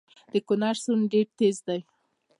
د کونړ سیند ډیر تېز دی